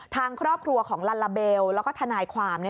ทางครอบครัวของลัลลาเบลแล้วก็ทนายความ